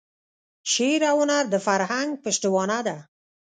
شعر او هنر د فرهنګ پشتوانه ده.